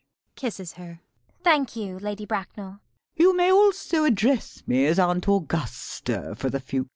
[Kisses her.] Thank you, Lady Bracknell. LADY BRACKNELL. You may also address me as Aunt Augusta for the future.